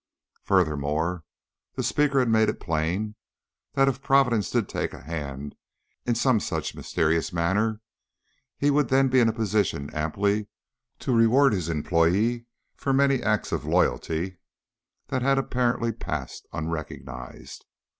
Furthermore, the speaker had made it plain that if Providence did take a hand in some such mysterious manner, he would then be in a position amply to reward his employee for many acts of loyalty that had apparently passed unrecognized.